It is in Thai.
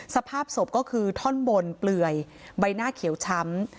สภาพศพก็คือท่อนบนเปลือยใบหน้าเขียวช้ำ